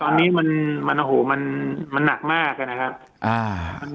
ตอนนี้มันมันโอ้โหมันมันหนักมากอะนะครับอ่า